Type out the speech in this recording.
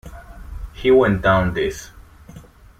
He went down this.